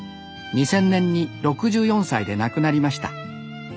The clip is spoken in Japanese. ２０００年に６４歳で亡くなりました。